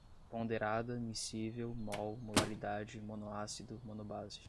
ponderada, miscível, mol, molaridade, monoácido, monobase